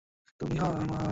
আমি অনেক বন্দুক দেখেছি।